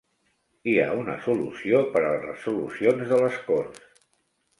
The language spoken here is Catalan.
Hi ha una solució per a les resolucions de les Corts